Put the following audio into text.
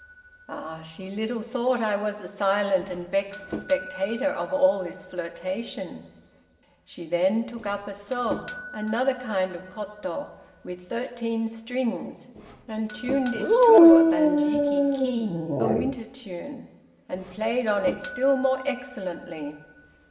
"Ah! she little thought I was a silent and vexed spectator of all this flirtation. She then took up a soh (another kind of koto with thirteen strings) and tuned it to a Banjiki key (a winter tune), and played on it still more excellently.